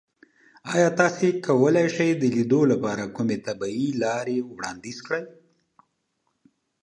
ایا تاسو کولی شئ د لیدو لپاره کومې طبیعي لارې وړاندیز کړئ؟